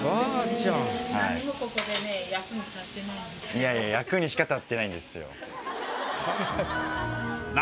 いやいや役にしか立ってないんですよ。